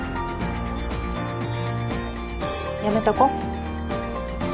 やめとこ。